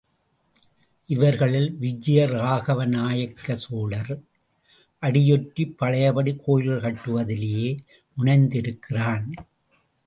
இவர்களில் விஜயராகவ நாயக்கர் சோழர் அடியொற்றி பழையபடி கோயில்கள் கட்டுவதிலேயே முனைந்திருக்கிறான்.